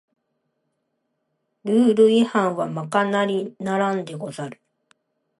ルール違反はまかなりならんでござる